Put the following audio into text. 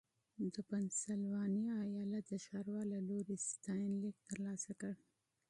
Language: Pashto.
د پنسلوانیا ایالت د ښاروال له لوري ستاینلیک ترلاسه کړ.